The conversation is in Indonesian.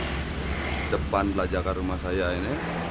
setelah saya ikut lomba kebun